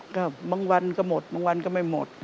ก็บางวันก็หมดบางวันก็ไม่หมด